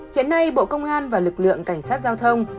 hiện nay bộ công an và lực lượng cảnh sát giao thông